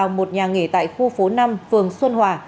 vào một nhà nghề tại khu phố năm phường xuân hòa